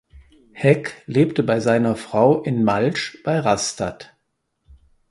Heck lebte mit seiner Frau in Malsch bei Rastatt.